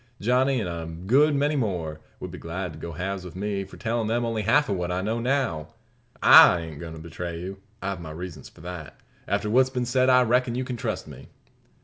Johnny, an' a good many more, would be glad to go halves with me, for tellin' them only half of what I now know. I ain't goin' to betray you. I've my reasons for not. After what's been said I reckon you can trust me?"